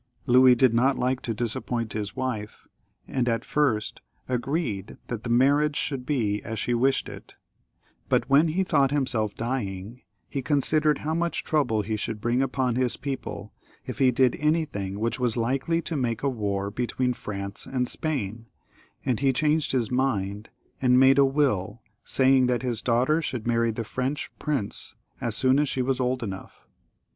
Louis did not like to disappoint his wife, and at first agreed that the marriage should be as she wished it, but when he thought himself dying he considered how much trouble he should bring upon his people if he did anything which was likely to make a war between France and Spain, and he changed his mind and made a will saying that his daughter should marry the French prince as soon as she was old enough.